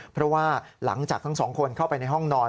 เพราะว่าหลังจากทั้งสองคนเข้าไปในห้องนอน